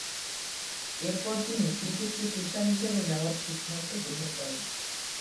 এরপর তিনি ক্রিকেটকে পেশা হিসেবে নেওয়ার সিদ্ধান্ত গ্রহণ করেন।